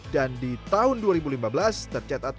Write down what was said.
dan di tahun dua ribu lima belas tercatat